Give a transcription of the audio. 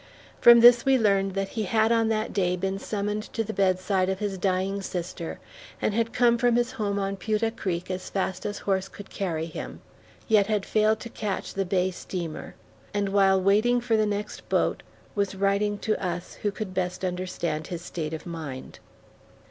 From this we learned that he had on that day been summoned to the bedside of his dying sister, and had come from his home on Putah Creek as fast as horse could carry him, yet had failed to catch the bay steamer; and while waiting for the next boat, was writing to us who could best understand his state of mind.